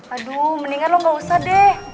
aduh mendingan loh gak usah deh